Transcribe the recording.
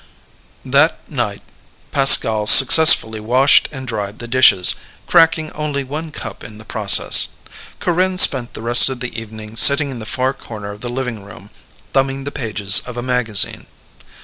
That night Pascal successfully washed and dried the dishes, cracking only one cup in the process. Corinne spent the rest of the evening sitting in the far corner of the living room, thumbing the pages of a magazine.